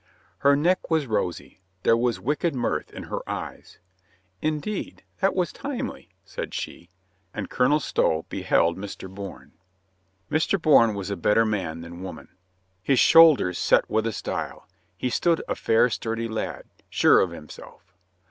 Her neck was rosy. There was wicked mirth in her eyes. "Indeed, that was timely," said she, and Colonel Stow beheld Mr. Bourne. Mr. Bourne was a better man than woman. His no COLONEL GREATHEART shoulders set with a style. He stood a fair, sturdy Lad, sure of himself.